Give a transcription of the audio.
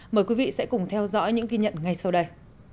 mời quý vị sẽ cùng theo dõi những ghi nhận ngay sau đây